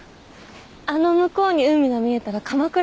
あの向こうに海が見えたら鎌倉だよね。